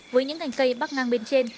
với những cành cây bắt ngang bên trên